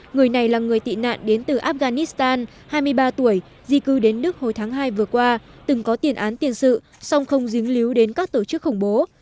người này là người tị nạn đến từ afghanistan hai mươi ba tuổi di cư đến đức hồi tháng hai vừa qua từng có tiền án tiền sự song không dính líu đến các tổ chức khủng bố